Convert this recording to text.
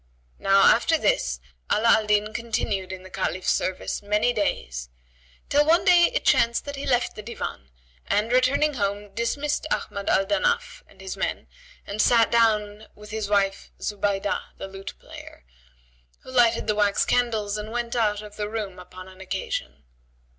Now after this Ala al Din continued in the Caliph's service many days; till one day it chanced that he left the Divan and returning home, dismissed Ahmad al Danaf and his men and sat down with his wife Zubaydab, the lute player, who lighted the wax candles and went out of the room upon an occasion.